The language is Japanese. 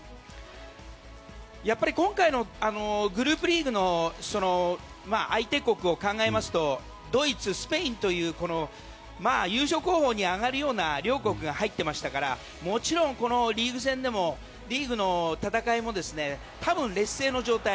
今回のグループリーグの相手国を考えますとドイツ、スペインという優勝候補に上がるような両国が入っていましたからもちろん、リーグ戦でもリーグの戦いも多分、劣勢の状態。